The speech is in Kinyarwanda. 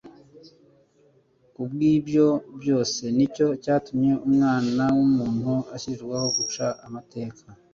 ku bw'ibyo byose, nicyo cyatumye Umwana w'umuntu ashyirirwaho guca amateka.